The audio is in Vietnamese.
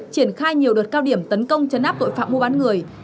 triển khai nhiều đợt cao điểm tấn công chấn áp tội phạm mua bán người